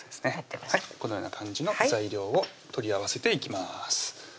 このような感じの材料を取り合わせていきます